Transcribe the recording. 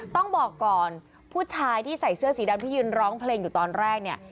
ต้องบอกก่อนผู้ชายที่ใส่เสื้อสีดำที่ยืนร้องเพลงอยู่ตอนแรกเนี่ย